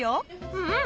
うん！